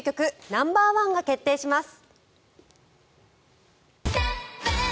ナンバーワンが決定します。